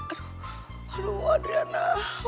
aduh aduh adriana